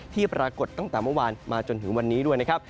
ปรากฏตั้งแต่เมื่อวานมาจนถึงวันนี้ด้วยนะครับ